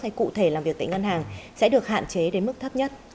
hay cụ thể làm việc tại ngân hàng sẽ được hạn chế đến mức thấp nhất